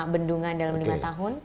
bendungan dalam lima tahun